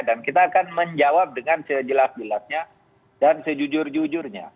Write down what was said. dan kita akan menjawab dengan sejelas jelasnya dan sejujur jujurnya